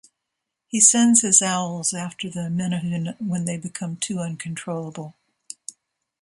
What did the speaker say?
He sends his owls after the Menehune when they become too uncontrollable.